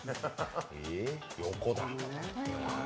横だ。